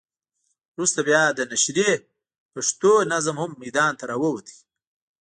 وروسته بیا د نشرې پښتو نظم هم ميدان ته راووت.